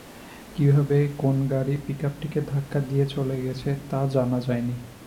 কীভাবে কোন গাড়ি পিকআপটিকে ধাক্কা দিয়ে চলে গেছে তা জানা যায়নি।